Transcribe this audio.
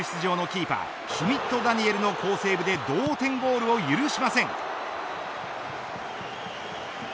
途中出場のキーパーシュミット・ダニエルの好セーブで同点ゴールを許しません。